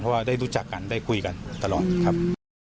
เพราะว่าได้รู้จักกันได้คุยกันตลอดครับ